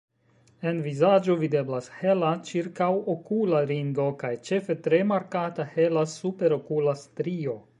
En vizaĝo videblas hela ĉirkaŭokula ringo kaj ĉefe tre markata hela superokula strio.